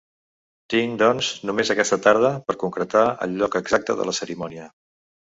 Tinc, doncs, només aquesta tarda per concretar el lloc exacte de la cerimònia.